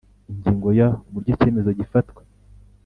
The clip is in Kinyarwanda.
Ingingo ya Uburyo icyemezo gifatwa